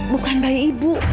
bukan bayi ibu